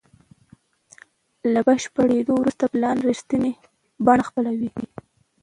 له بشپړېدو وروسته پلان رښتینې بڼه خپلوي.